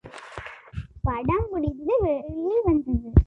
படம் முடிந்து வெளி வந்தது.